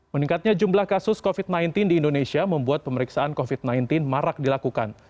meningkatnya jumlah kasus covid sembilan belas di indonesia membuat pemeriksaan covid sembilan belas marak dilakukan